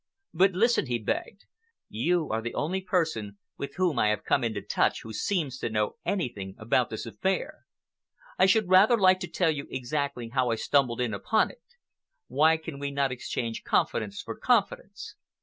"But listen," he begged. "You are the only person with whom I have come into touch who seems to know anything about this affair. I should rather like to tell you exactly how I stumbled in upon it. Why can we not exchange confidence for confidence?